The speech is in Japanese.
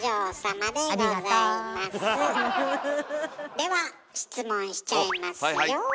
では質問しちゃいますよ。